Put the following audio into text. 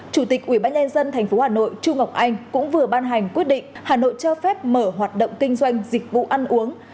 chủ tịch ubnd tp hà nội chu ngọc anh cũng vừa ban hành quyết định hà nội cho phép mở hoạt động kinh doanh dịch vụ ăn uống